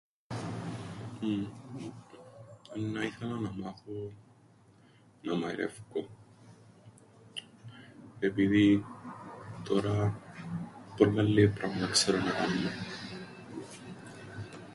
Έννα ήθελα να μάθω να μαειρέφκω, επειδή τωρά πολλά λλία πράματα ξέρω να κάμνω.